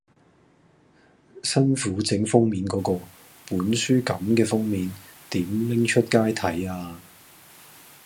辛苦整封面嗰個，本書感嘅封面，點拎出街睇呀